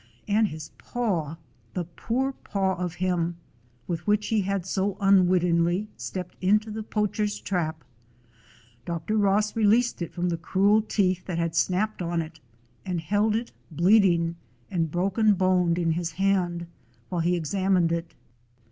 And his paw — the poor paw of him, with which he had so unwittingly stepped into the poach er's trap — Dr. Ross released it from the cruel teeth that had snapped on it, and held it, bleed ing and broken boned, in his hand while he examined it.